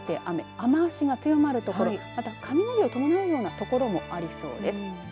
雨足が強まる所また雷を伴うような所もありそうです。